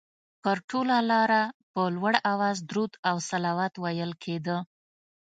پر ټوله لاره په لوړ اواز درود او صلوات ویل کېده.